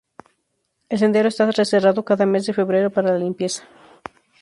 El sendero está cerrado cada mes de febrero para la limpieza.